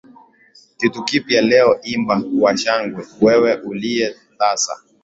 Kitu kipya leo Imba kwa shangwe wewe uliye tasa